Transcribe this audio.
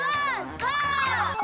ゴー！